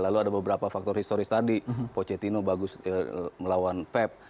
lalu ada beberapa faktor historis tadi pocetino bagus melawan pep